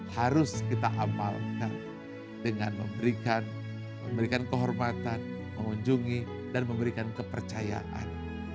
harus kita amalkan dengan memberikan kehormatan mengunjungi dan memberikan kepercayaan